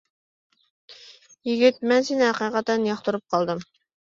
يىگىت مەن سېنى ھەقىقەتەن ياقتۇرۇپ قالدىم.